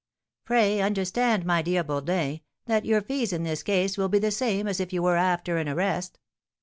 "Pray understand, my dear Bourdin, that your fees in this case will be the same as if you were after an arrest."